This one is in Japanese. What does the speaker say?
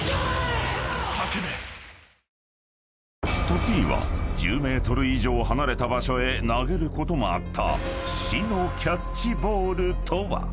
［時には１０ｍ以上離れた場所へ投げることもあった死のキャッチボールとは？］